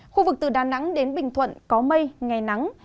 khu vực từ đà nẵng đến bình thuận có mây ngày nắng